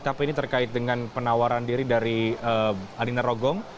tapi ini terkait dengan penawaran diri dari alina rogong